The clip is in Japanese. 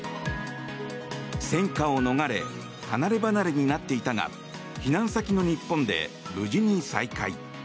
戦火を逃れ離れ離れになっていたが避難先の日本で無事に再会。